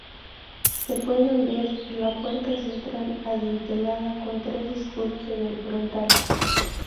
Se puede ver la puerta central adintelada con tres escudos en el frontal.